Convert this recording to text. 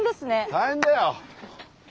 大変だよ。